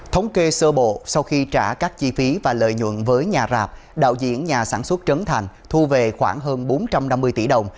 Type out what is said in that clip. thống kê sơ bộ sau khi trả các chi phí và lợi nhuận với nhà rạp đạo diễn nhà sản xuất trấn thành thu về khoảng hơn bốn trăm năm mươi tỷ đồng